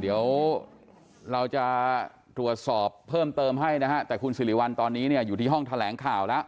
เดี๋ยวเราจะตรวจสอบเพิ่มเติมให้นะฮะแต่คุณสิริวัลตอนนี้เนี่ยอยู่ที่ห้องแถลงข่าวแล้ว